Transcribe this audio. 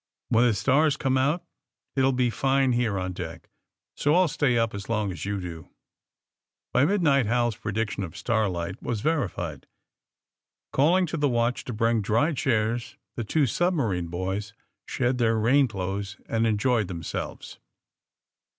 *'When the stars come out it will be fine here on deck. So I'll stay up as long as you do." By midnight Hal 's prediction of starlight was verified. Calling to the watch to bring dry chairs the two submarine boys shed their rain clothes and enjoyed themselves.